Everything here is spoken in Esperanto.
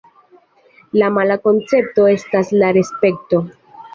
La mala koncepto estas la respekto.